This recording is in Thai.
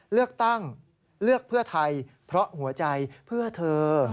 เลือกตั้งเลือกเพื่อไทยเพราะหัวใจเพื่อเธอ